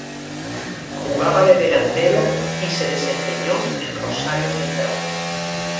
Jugaba de delantero y se desempeñó en Rosario Central.